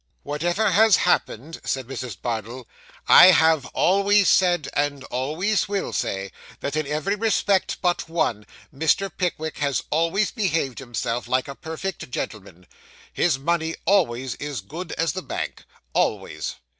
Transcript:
'Whatever has happened,' said Mrs. Bardell, 'I always have said, and always will say, that in every respect but one, Mr. Pickwick has always behaved himself like a perfect gentleman. His money always as good as the bank always.